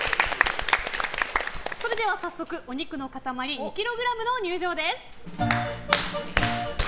早速、お肉の塊２ｋｇの入場です。